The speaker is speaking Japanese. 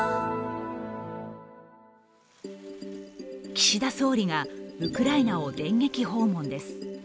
岸田総理がウクライナを電撃訪問です。